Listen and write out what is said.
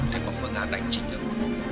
để có phương án đánh trịnh hợp